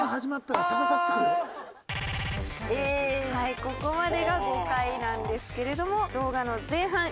はいここまでが５回なんですけれども動画の前半１分。